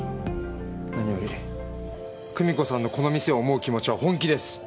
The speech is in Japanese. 何より久美子さんのこの店を思う気持ちは本気です。